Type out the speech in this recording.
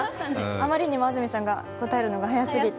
あまりにも安住さんが答えるのが早くて。